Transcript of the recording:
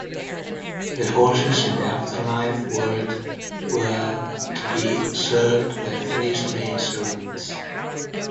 The horses in the afterlife world were to be served by three slain servants.